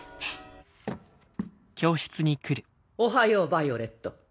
おはようヴァイオレット。